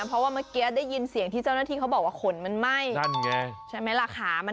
ประมาณ๒ปีตัวเนี่ยนะมันหนีเข้าเหล้า